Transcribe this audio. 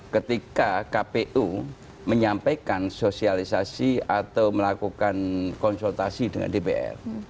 ketika kpu menyampaikan sosialisasi atau melakukan konsultasi dengan dpr